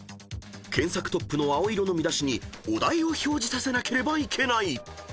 ［検索トップの青色の見出しにお題を表示させなければいけない］